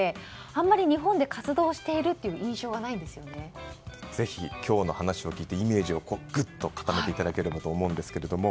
あまり日本で活動しているというぜひ、今日の話を聞いてイメージをぐっと傾けていただければと思うんですけれども。